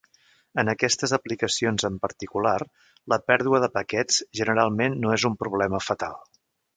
En aquestes aplicacions en particular la pèrdua de paquets generalment no és un problema fatal.